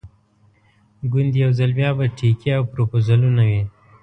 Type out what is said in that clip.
ګوندې یو ځل بیا به ټیکې او پروپوزلونه وي.